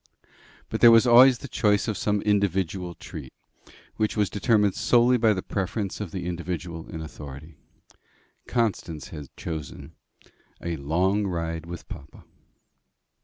But there was always the choice of some individual treat, which was determined solely by the preference of the individual in authority. Constance had chosen "a long ride with papa."